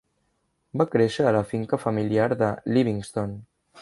Va créixer a la finca familiar de Livingston.